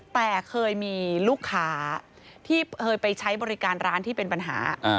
แต่เคยมีลูกค้าที่เคยไปใช้บริการร้านที่เป็นปัญหา